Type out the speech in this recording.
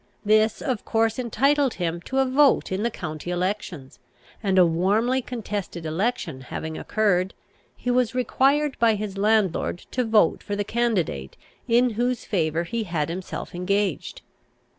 This of course entitled him to a vote in the county elections; and, a warmly contested election having occurred, he was required by his landlord to vote for the candidate in whose favour he had himself engaged.